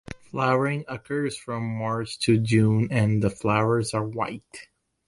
Flowering occurs from March to June and the flowers are white.